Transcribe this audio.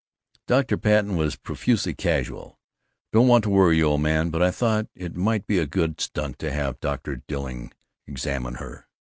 Dr. Patten was profusely casual: "Don't want to worry you, old man, but I thought it might be a good stunt to have Dr. Dilling examine her."